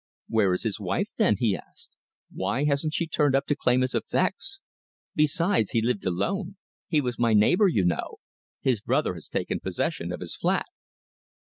"Where is his wife then?" he asked. "Why hasn't she turned up to claim his effects? Besides, he lived alone. He was my neighbour, you know. His brother has taken possession of his flat."